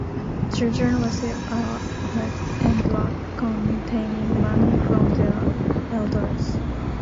Children receive a red envelope containing money from their elders.